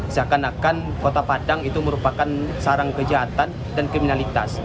seakan akan kota padang itu merupakan sarang kejahatan dan kriminalitas